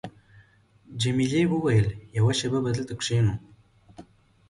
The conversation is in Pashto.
جميلې وويل:، یوه شېبه به دلته کښېنو.